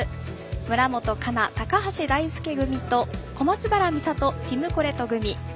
村元哉中、高橋大輔組と小松原美里、ティム・コレト組。